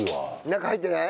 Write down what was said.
中入ってない？